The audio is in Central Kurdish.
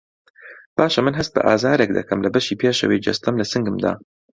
باشه من هەست بە ئازارێک دەکەم لە بەشی پێشەوەی جەستەم له سنگمدا